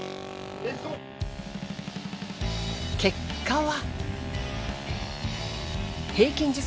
結果は。